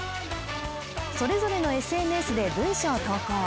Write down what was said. それぞれのＳＮＳで文書を投稿。